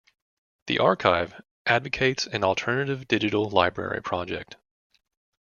The Archive advocates an alternative digital library project.